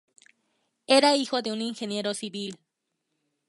Era hijo de un ingeniero civil.